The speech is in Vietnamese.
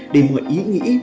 để mọi ý nghĩ